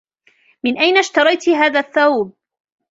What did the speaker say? من أين إشتريتِ هذا الثوب؟